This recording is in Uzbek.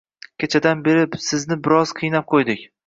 Kechadan beri sizni biroz qiynab qo'ydik